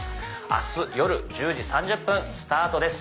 明日夜１０時３０分スタートです。